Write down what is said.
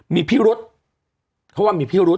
มีพิรุษเขาว่ามีพิรุษ